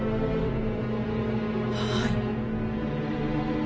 はい。